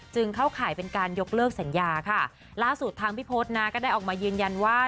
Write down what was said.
เข้าข่ายเป็นการยกเลิกสัญญาค่ะล่าสุดทางพี่พศนะก็ได้ออกมายืนยันว่า